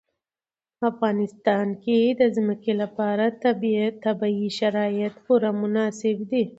په افغانستان کې د ځمکه لپاره طبیعي شرایط پوره مناسب دي.